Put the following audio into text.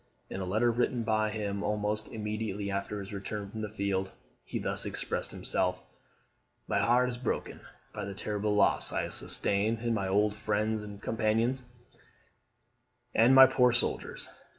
In a letter written by him almost immediately after his return from the field, he thus expressed himself: "My heart is broken by the terrible loss I have sustained in my old friends and companions, and my poor soldiers.